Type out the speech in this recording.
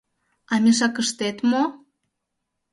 — А мешакыштет мо?